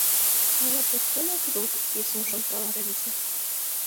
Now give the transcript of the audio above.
Ала поктен ок лук?» — писын шонкала рвезе.